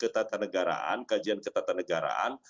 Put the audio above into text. ketajaman ketatanegaraan kajian ketatanegaraan